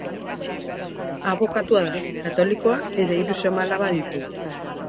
Abokatua da, katolikoa, eta hiru seme-alaba ditu.